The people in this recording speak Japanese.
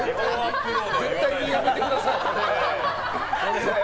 絶対にやめてください！